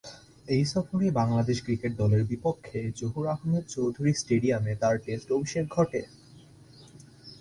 এ সফরেই বাংলাদেশ ক্রিকেট দলের বিপক্ষে জহুর আহমেদ চৌধুরী স্টেডিয়াম এ তার টেস্ট অভিষেক ঘটে।